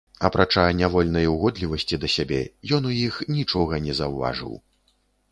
Апрача нявольнай угодлівасці да сябе, ён у іх нічога не заўважыў.